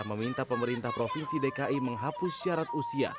meminta pemerintah provinsi dki menghapus syarat usia